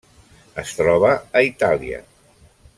Es troba a Itàlia.